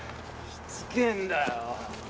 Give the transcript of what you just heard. しつけぇんだよ。